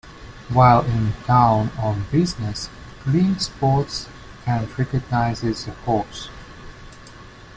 While in town on business, Clint spots and recognizes the horse.